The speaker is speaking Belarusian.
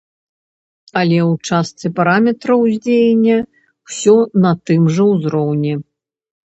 Але ў частцы параметраў уздзеяння ўсё на тым жа ўзроўні.